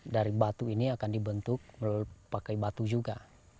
dari batu ini akan dibentuk pakai batu juga